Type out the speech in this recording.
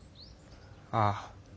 ああ。